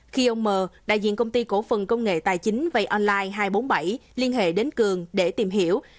khi ông m đại diện công ty cổ phần công nghệ tài chính vay online hai trăm bốn mươi bảy liên hệ đến cường để tìm hiểu